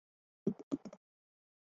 液态主要有硅酸盐等物质。